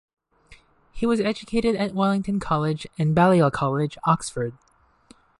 He was educated at Wellington College and Balliol College, Oxford.